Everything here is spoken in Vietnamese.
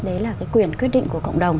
đấy là cái quyền quyết định của cộng đồng